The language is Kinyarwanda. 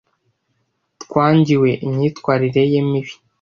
Twangiwe imyitwarire ye mibi.